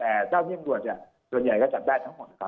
แต่เจ้าที่ตำรวจเนี่ยส่วนใหญ่ก็จับได้ทั้งหมดนะครับ